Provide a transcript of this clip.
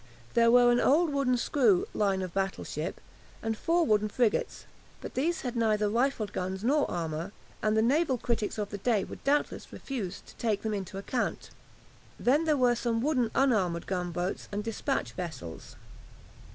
There were an old wooden screw line of battle ship and four wooden frigates, but these had neither rifled guns nor armour, and the naval critics of the day would doubtless refuse to take them into account. Then there were some wooden unarmoured gunboats and dispatch vessels.